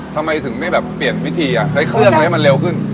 ทำไมถึงไม่แบบเปลี่ยนวิธีใช้เครื่องอะไรให้มันเร็วขึ้น